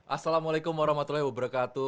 assalamualaikum warahmatullahi wabarakatuh